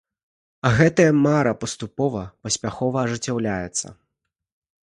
А гэтая мара паступова і паспяхова ажыццяўляецца.